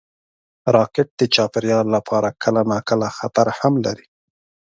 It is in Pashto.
راکټ د چاپېریال لپاره کله ناکله خطر هم لري